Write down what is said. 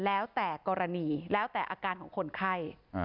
แล้วแต่กรณีแล้วแต่อาการของคนไข้